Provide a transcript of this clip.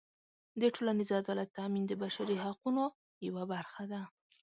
د ټولنیز عدالت تأمین د بشري حقونو یوه برخه ده.